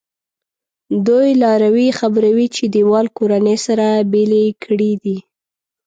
دوی لاروی خبروي چې دیوال کورنۍ سره بېلې کړي دي.